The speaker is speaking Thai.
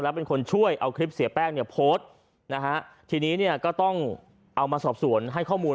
แล้วเป็นคนช่วยเอาคลิปเสียแป้งเนี่ยโพสต์นะฮะทีนี้เนี่ยก็ต้องเอามาสอบสวนให้ข้อมูล